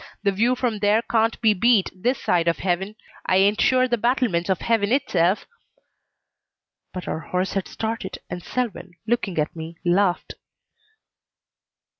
The view from there can't be beat this side of heaven. I ain't sure the battlements of heaven itself " But our horse had started and Selwyn, looking at me, laughed.